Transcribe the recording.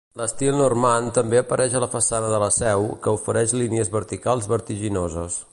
L'estil normand també apareix a la façana de la seu, que ofereix línies verticals vertiginoses.